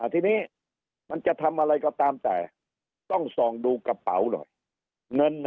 ทีนี้มันจะทำอะไรก็ตามแต่ต้องส่องดูกระเป๋าหน่อยเงิน